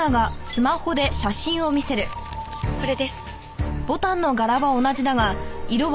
これです。